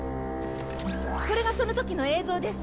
これがその時の映像です。